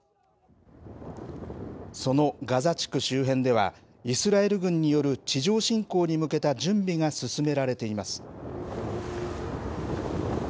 そのガザ地区周辺では、イスラエル軍による地上侵攻に向けた準備が進められています。